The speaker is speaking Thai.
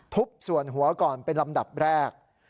ส่วนหัวก่อนเป็นลำดับแรก